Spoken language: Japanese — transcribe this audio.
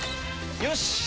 よし！